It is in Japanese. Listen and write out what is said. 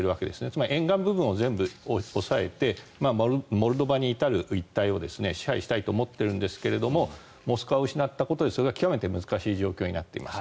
つまり、沿岸部分を全部押さえてモルドバに至る一帯を支配したいと思っているんですが「モスクワ」を失ったことでそれが極めて難しい状況になっています。